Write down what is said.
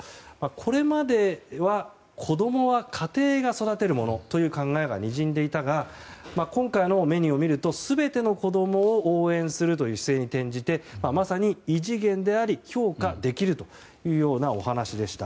これまでは子供は家庭が育てるものという考えがにじんでいたが今回のメニューを見ると全ての子供を応援するという姿勢に転じてまさに異次元であると評価できるというようなお話でした。